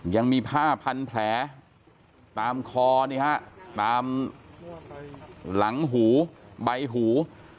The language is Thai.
ยังมีผ้าพันแผลตามคอนี่ฮะตามหลังหูใบหู